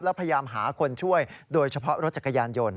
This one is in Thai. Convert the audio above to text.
แล้วพยายามหาคนช่วยโดยเฉพาะรถจักรยานยนต์